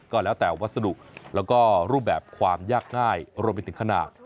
ก็แล้วแต่วัสดุแล้วก็รูปแบบความยากง่ายรวมไปถึงขนาด